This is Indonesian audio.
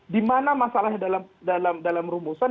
dimana masalahnya dalam rumusan